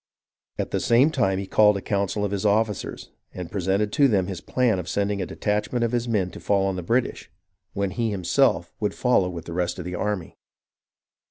At the same time he called a council of his officers, and presented to them his plan of sending a detachment of his men to fall on the British, when he himself would MONMOUTH AND NEWPORT 235 follow with the rest of the army.